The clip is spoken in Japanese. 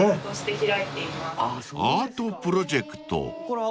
［アートプロジェクト？］